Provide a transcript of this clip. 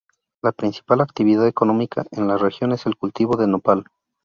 La principal actividad económica en la región es el cultivo del nopal.